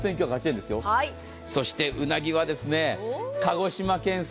そしてうなぎは鹿児島県産。